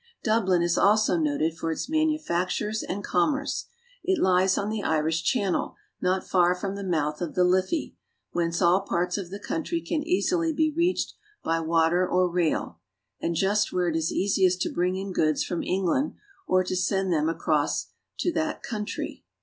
Dublin is also noted for its manufactures and commerce. It lies on the Irish Channel, not far from the mouth of the Liffey, whence all parts of the country can easily be reached by water or rail, and just where it is easiest to bring in goods from England or to send them across to that country.